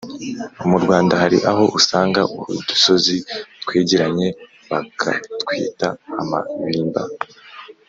Mu Rwanda hari aho usanga udusozi twegeranye bakatwita amabimba